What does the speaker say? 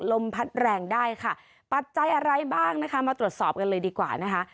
ลมพัดแรงได้ค่ะปัจจัยอะไรบ้างนะคะมาตรวจสอบกันเลยดีกว่านะคะ